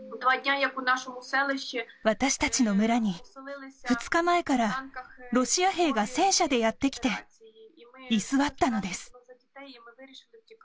私たちの村に、２日前からロシア兵が戦車でやって来て、居座ったのです。